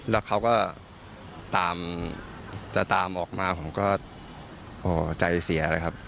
แล้วเขาก็ตามจะตามออกมาผมก็ใจเสียเลยครับ